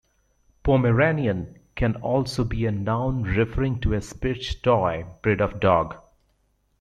"Pomeranian" can also be a noun referring to a Spitz toy breed of dog.